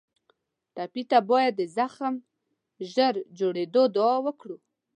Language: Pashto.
ټپي ته باید د زخم ژر جوړېدو دعا وکړو.